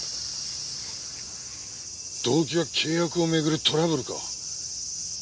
動機は契約を巡るトラブルか？